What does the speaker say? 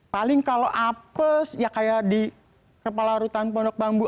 paling kalau apes ya kayak di kepala rutan pondok bambu